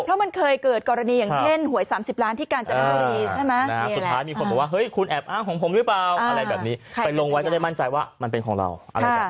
เพราะมันเคยเกิดกรณีอย่างเช่นหวย๓๐ล้านที่การจัดการรายละคร๒๓๐ล้านที่การจัดการรายละคร